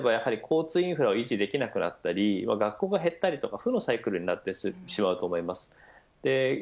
人が少なくなればやはり交通インフレを維持できなくなったり学校が減ったり負のサイクルになってしまうと思います。